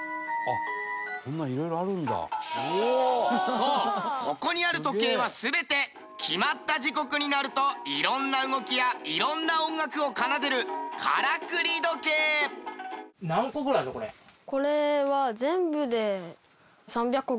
そうここにある時計は全て決まった時刻になるといろんな動きやいろんな音楽を奏でるこれは。